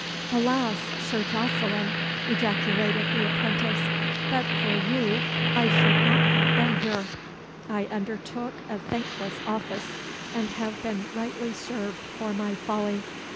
"Alas! Sir Jocelyn!" ejaculated the apprentice, "but for you I should not have been here. I undertook a thankless office, and have been rightly served for my folly.